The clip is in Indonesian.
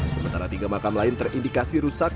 sementara tiga makam lain terindikasi rusak